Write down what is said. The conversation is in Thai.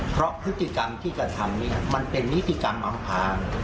เพราะพฤติกรรมที่กระทำเนี่ยมันเป็นนิติกรรมอำพาง